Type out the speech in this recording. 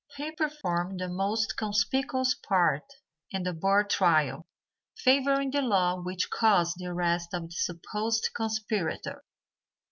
He performed a most conspicuous part in the Burr trial, favoring the law which caused the arrest of the supposed conspirator.